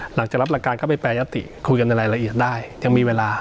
หลังจากรับหลักการเข้าไปแปรยติคุยกันในรายละเอียดได้ยังมีเวลา